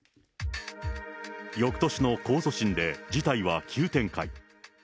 よくとしの控訴審で、事態は急展開。